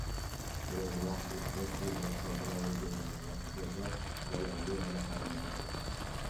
Biroz vaqt oʻtgach, er boshqa bir ayolga uylandi, natijada bola oʻgay ona qaramogʻiga oʻtdi.